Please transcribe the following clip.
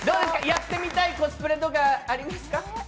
やってみたいコスプレとかありますか？